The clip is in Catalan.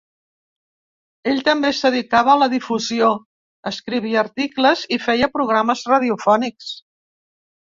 Ell també es dedicava a la difusió: escrivia articles i feia programes radiofònics.